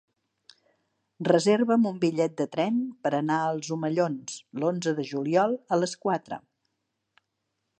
Reserva'm un bitllet de tren per anar als Omellons l'onze de juliol a les quatre.